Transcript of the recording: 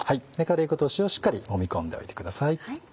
カレー粉と塩をしっかりもみ込んでおいてください。